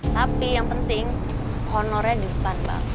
tapi yang penting honornya di depan bang